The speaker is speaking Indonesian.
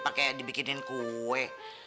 pakai dibikinin kue